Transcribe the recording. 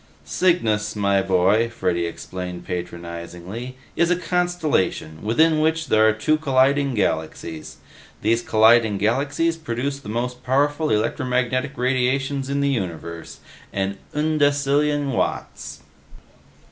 "Cygnus, my boy," Freddy explained patronizingly, "is a constellation within which there are two colliding galaxies. These colliding galaxies produce the most powerful electromagnetic radiations in the universe an undecillion watts!"